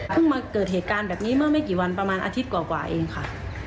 มาเกิดเหตุการณ์แบบนี้เมื่อไม่กี่วันประมาณอาทิตย์กว่าเองค่ะ